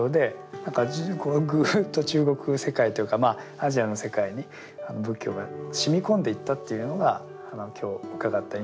何かぐっと中国世界というかまあアジアの世界に仏教が染み込んでいったというのが今日伺った印象ですね。